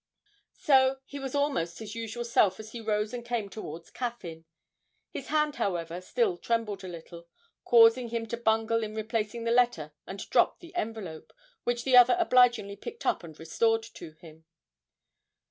So he was almost his usual self as he rose and came towards Caffyn; his hand, however, still trembled a little, causing him to bungle in replacing the letter and drop the envelope, which the other obligingly picked up and restored to him.